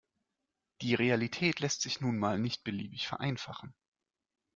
Die Realität lässt sich nun mal nicht beliebig vereinfachen.